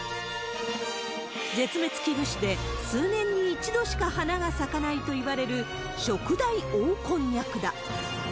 絶滅危惧種で、数年に一度しか花が咲かないというショクダイオオコンニャクだ。